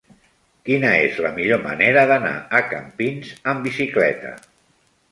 Quina és la millor manera d'anar a Campins amb bicicleta?